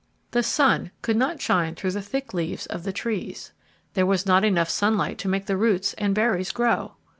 The sun could not shine through the thick leaves of the trees. There was not enough sunlight to make the roots and berries grow.